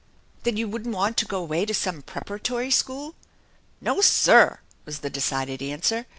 " Then you wouldn't want to go away to some preparatory school?" "No, sir!" was the decided answer.